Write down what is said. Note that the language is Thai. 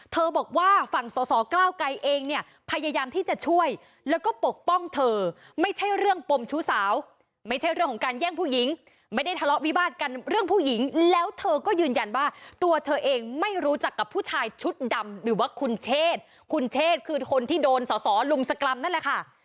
บอกว่าฝั่งสอสอก้าวไกรเองเนี่ยพยายามที่จะช่วยแล้วก็ปกป้องเธอไม่ใช่เรื่องปมชู้สาวไม่ใช่เรื่องของการแย่งผู้หญิงไม่ได้ทะเลาะวิวาสกันเรื่องผู้หญิงแล้วเธอก็ยืนยันว่าตัวเธอเองไม่รู้จักกับผู้ชายชุดดำหรือว่าคุณเชษคุณเชษคือคนที่โดนสอสอลุมสกรรมนั่นแหละค่ะ